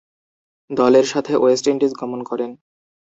দলের সাথে West Indies গমন করেন।